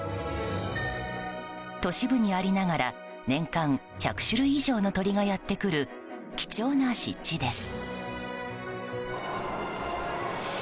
都市部にありながら年間１００種類以上の鳥がやってくる貴重な湿地です。